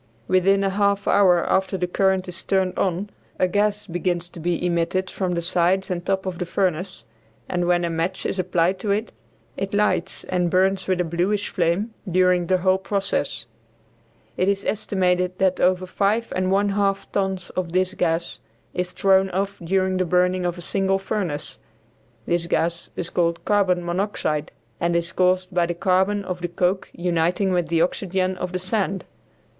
Within a half hour after the current is turned on a gas begins to be emitted from the sides and top of the furnace, and when a match is applied to it, it lights and burns with a bluish flame during the whole process. It is estimated that over five and one half tons of this gas is thrown off during the burning of a single furnace. This gas is called carbon monoxide, and is caused by the carbon of the coke uniting with the oxygen of the sand.